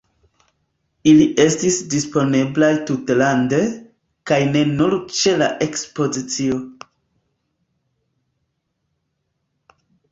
Ili estis disponeblaj tutlande, kaj ne nur ĉe la Ekspozicio.